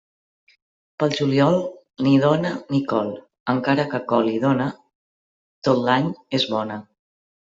Pel juliol, ni dona ni col, encara que col i dona, tot l'any és bona.